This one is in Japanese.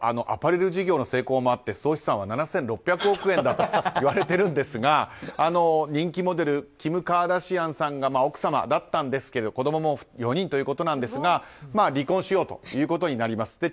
アパレル事業の成功もあって総資産は７６００億円だといわれているんですが人気モデルキム・カーダシアンさんが奥様だったんですが子供も４人ということですが離婚しようということになります。